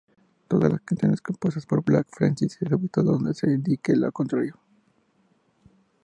Todas las canciones compuestas por Black Francis, excepto donde se indique lo contrario.